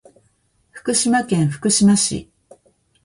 福島県福島市